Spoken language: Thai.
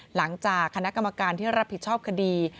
หลังจากคณะกรรมการที่รับผิดชอบคดี